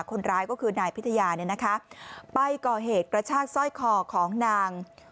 คนร้ายก็คือนายพิทยาเนี่ยนะคะไปก่อเหตุกระชากสร้อยคอของนาง